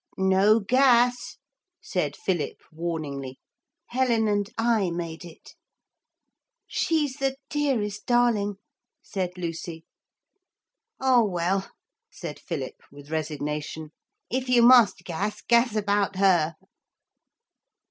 'No gas,' said Philip warningly. 'Helen and I made it.' 'She's the dearest darling,' said Lucy. 'Oh, well,' said Philip with resignation, 'if you must gas, gas about her.'